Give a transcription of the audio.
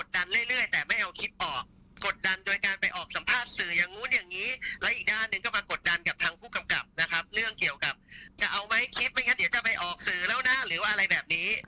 เดี๋ยวจะไปออกสื่อแล้วนะหรือว่าอะไรแบบนี้